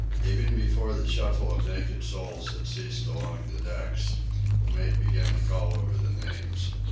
Even before the shuffle of naked soles had ceased along the decks, the mate began to call over the names.